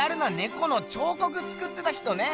この彫刻つくってた人ね！